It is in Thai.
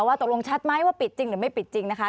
ตกลงชัดไหมว่าปิดจริงหรือไม่ปิดจริงนะคะ